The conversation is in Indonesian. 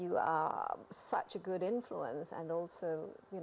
yang perlu dilakukan oleh orang